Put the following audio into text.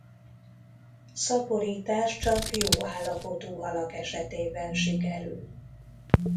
Szaporítás csak jó állapotú halak esetében sikerül.